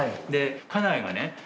家内がね